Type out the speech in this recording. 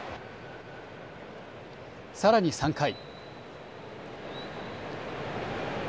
さらに３回。